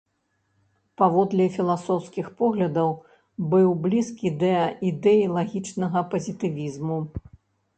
Паводле філасофскіх поглядаў быў блізкі да ідэй лагічнага пазітывізму.